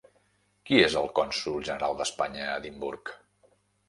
Qui és el consol general d'Espanya a Edimburg?